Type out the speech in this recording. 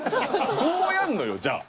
どうやんのよじゃあ。